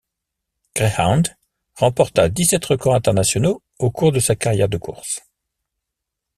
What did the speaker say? Greyhound remporta dix-sept records internationaux au cours de sa carrière de course.